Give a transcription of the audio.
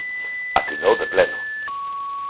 Atinou de pleno.